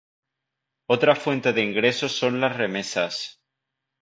Otra fuente de ingresos son las remesas.